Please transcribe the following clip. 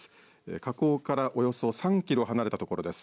火口からおよそ３キロ離れたところです。